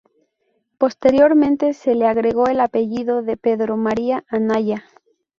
Posteriormente se le agregó el apellido de Pedro María Anaya.